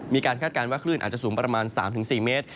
คาดการณ์ว่าคลื่นอาจจะสูงประมาณ๓๔เมตร